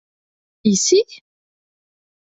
Ici?